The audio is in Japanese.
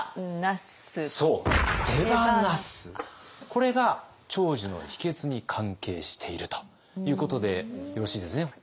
これが長寿の秘けつに関係しているということでよろしいですね。